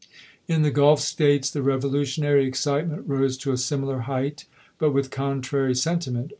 In the Gulf States the revolutionary excitement rose to a similar height, but with contrary senti ment.